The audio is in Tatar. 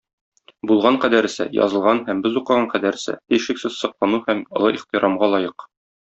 Булган кадәресе, язылган һәм без укыган кадәресе, һичшиксез, соклану һәм олы ихтирамга лаек.